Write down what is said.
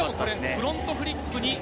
フロントフリップ、来た！